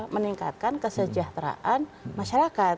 meningkatkan kesejahteraan masyarakat